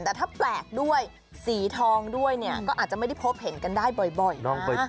แต่ถ้าแปลกด้วยสีทองด้วยเนี่ยก็อาจจะไม่ได้พบเห็นกันได้บ่อย